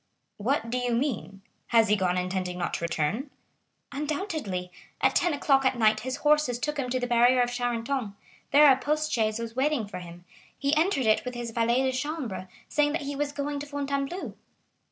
"What do you mean? Has he gone intending not to return?" "Undoubtedly;—at ten o'clock at night his horses took him to the barrier of Charenton; there a post chaise was waiting for him—he entered it with his valet de chambre, saying that he was going to Fontainebleau."